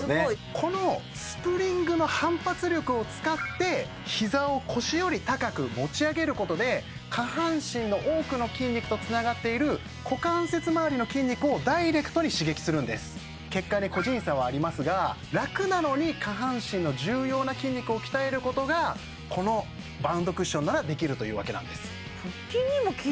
このスプリングの反発力を使って膝を腰より高く持ち上げることで下半身の多くの筋肉とつながっている股関節周りの筋肉をダイレクトに刺激するんです結果で個人差はありますが楽なのに下半身の重要な筋肉を鍛えることがこのバウンドクッションならできるというわけなんです